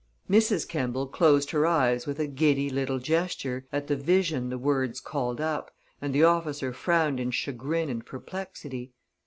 Mrs. Kemball closed her eyes with a giddy little gesture, at the vision the words called up, and the officer frowned in chagrin and perplexity.